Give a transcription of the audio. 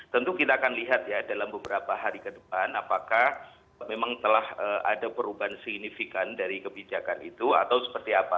tentu kita akan lihat ya dalam beberapa hari ke depan apakah memang telah ada perubahan signifikan dari kebijakan itu atau seperti apa